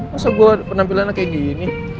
masa gua penampilan kayak gini